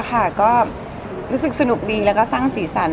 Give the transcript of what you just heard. ค่ะก็รู้สึกสนุกดีแล้วก็สร้างสีสัน